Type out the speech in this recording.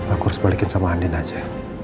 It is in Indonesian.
aku harus balikin sama andin aja